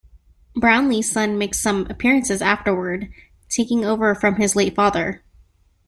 Brownlee's son makes some appearances afterward, taking over from his late father.